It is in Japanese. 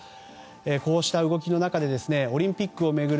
こうした動きの中でオリンピックを巡る